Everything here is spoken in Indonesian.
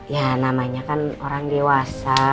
ya namanya kan orang dewasa